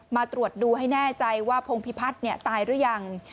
มาตรวจดูให้แน่ใจว่าพงพิพัฒน์ตายหรือยัง